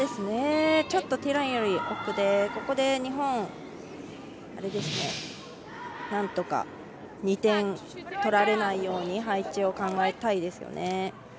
ちょっとティーラインよりも奥でここで日本、なんとか２点取られないように配置を考えたいですよね。